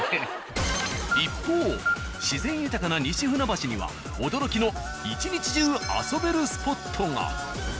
一方自然豊かな西船橋には驚きの１日中遊べるスポットが。